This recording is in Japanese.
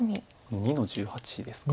２の十八ですか。